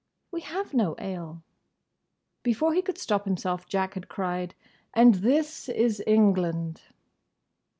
"We have no ale." Before he could stop himself Jack had cried "And this is England!"